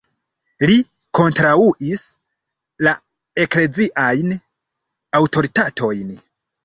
Li kontraŭis la ekleziajn aŭtoritatojn.